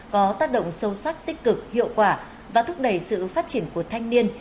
có tác động sâu sắc tích cực hiệu quả và thúc đẩy sự phát triển của thanh niên